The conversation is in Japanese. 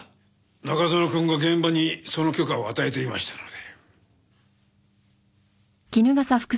中園くんが現場にその許可を与えていましたので。